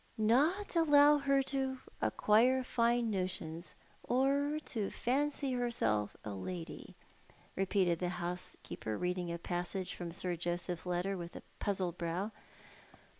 "Not allow her to acquire fine notions, or to fancy herself a lady," repeated the hou.sekccper, reading a pas.sage from Sir Joseph's letter, with a puzzled brow.